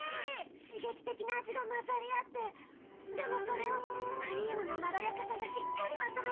刺激的な味が混ざり合ってでもそれをクリームのまろやかさがしっかりまとめてるって感じ。